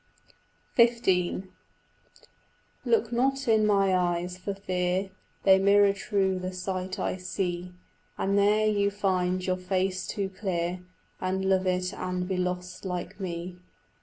XV Look not in my eyes, for fear They mirror true the sight I see, And there you find your face too clear And love it and be lost like me.